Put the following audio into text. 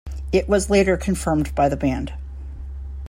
It was later confirmed by the band.